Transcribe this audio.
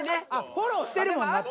フォローしてるもん。